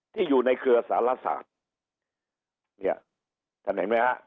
ที่อยู่ในเครือสารศาสตร์เนี่ยท่านเห็นไหมฮะ